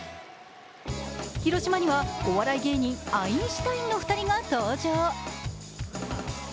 広島にはお笑い芸人アインシュタインのお二人が登場。